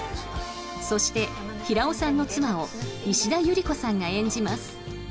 そして、平尾さんの妻を石田ゆり子さんが演じます。